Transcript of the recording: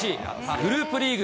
グループリーグ